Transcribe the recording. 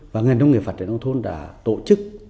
và ngành nông nghiệp phát triển nông thôn đã tổ chức